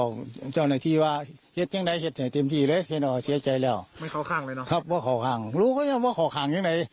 ครับว่าเข้าข้างรู้ว่าเข้าข้างยังไง